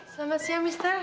selamat siang mister